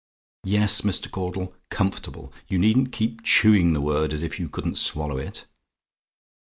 Yes, Mr. Caudle comfortable! You needn't keep chewing the word, as if you couldn't swallow it.